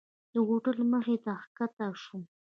د هوټل مخې ته ښکته شوم.